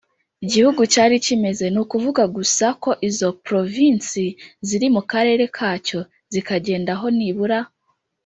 gihugu cyari kimeze; ni ukuvuga gusa ko izo provinsi ziri mu karere kacyo, zikacyendaho nibura